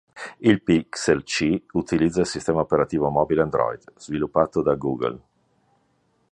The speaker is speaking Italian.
Il Pixel C utilizza il sistema operativo mobile Android, sviluppato da Google.